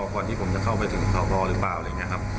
ก่อนที่ผมจะเข้าไปถึงสอนอหรือเปล่าอะไรอย่างนี้ครับ